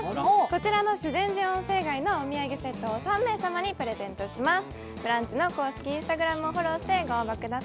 こちらの修善寺温泉街のお土産セットを３名様にプレゼントします。